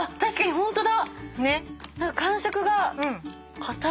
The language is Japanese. ホントだ！